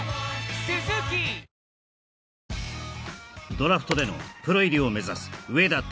ドラフトでのプロ入りを目指す植田拓